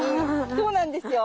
そうなんですよ。